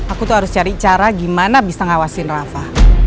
aku tuh harus cari cara gimana bisa ngawasin rafa